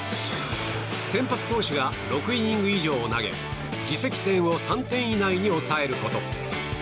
先発投手が６イニング以上を投げ自責点を３点以内に抑えること。